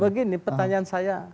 begini petanyaan saya